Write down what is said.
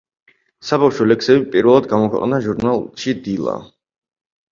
საბავშვო ლექსები პირველად გამოქვეყნდა ჟურნალში „დილა“.